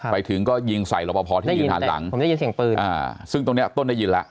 ไปถึงก็ยิงใส่รบพอที่ยืนหันหลังผมได้ยินเสียงปืนอ่าซึ่งตรงเนี้ยต้นได้ยินแล้ว